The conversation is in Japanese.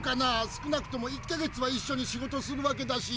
少なくとも１か月は一緒に仕事するわけだし。